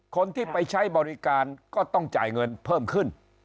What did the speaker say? คนที่ไปใช้บริการก็ต้องจ่ายเงินเพิ่มขึ้น